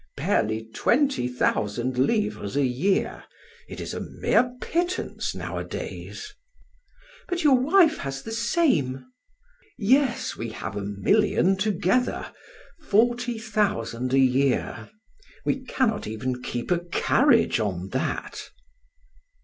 "Barely twenty thousand livres a year. It is a mere pittance nowadays." "But your wife has the same." "Yes, we have a million together; forty thousand a year. We cannot even keep a carriage on that."